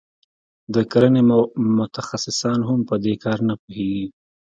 د کرنې متخصصان هم په دې کار نه پوهیږي.